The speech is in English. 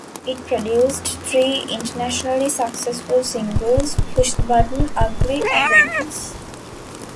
It produced three internationally successful singles, "Push the Button", "Ugly" and "Red Dress".